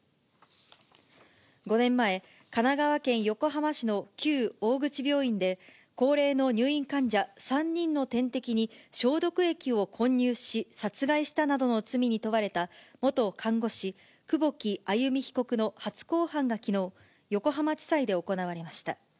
５年前、神奈川県横浜市の旧大口病院で、高齢の入院患者３人の点滴に消毒液を混入し、殺害したなどの罪に問われた元看護師、久保木愛弓被告の初公判がきのう、横浜地裁で行われました。